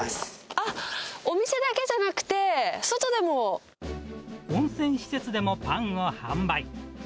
あっ、お店だけじゃなくて、温泉施設でもパンを販売。